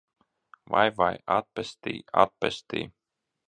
Vai, vai! Atpestī! Atpestī!